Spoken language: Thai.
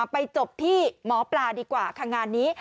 ไปจบที่หมอปลาดีกว่าค่ะงานนี้